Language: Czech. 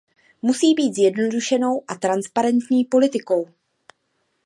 Musí být zjednodušenou a transparentní politikou.